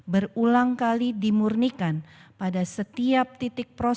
kami yakin vaksin ini sudah melalui transformasi yang menyeluruh